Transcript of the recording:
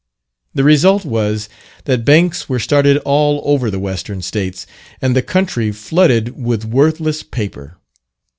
The result was, that banks were started all over the Western States, and the country flooded with worthless paper.